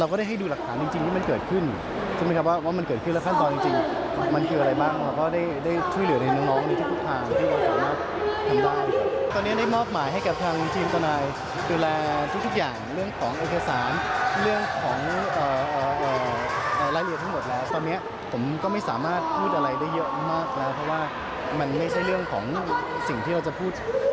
ก็ไม่ใช่เรื่องของสิ่งที่เราจะพูด